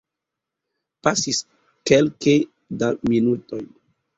Pasis kelke da minutoj.